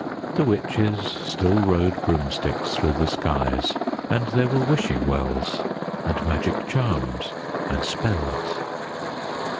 The witches still rode broomsticks through the skies and there were wishing wells and magic charms and spells.